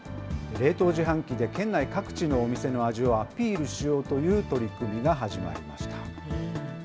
冷凍自販機で、県内各地のお店の味をアピールしようという取り組みが始まりました。